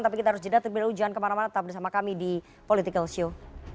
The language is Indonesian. tapi kita harus jeda terpilih ujuan kemana mana tetap bersama kami di political show